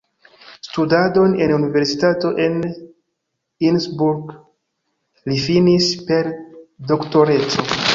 Studadon en universitato en Innsbruck li finis per doktoreco.